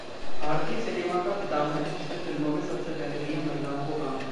भारतीय सिनेमा का पितामह, जिसने फिल्मों में सबसे पहले दिया महिलाओं को काम